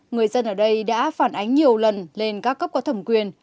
người dân ở đây đã phản ánh nhiều lần lên các cấp có thẩm quyền